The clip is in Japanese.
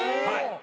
はい。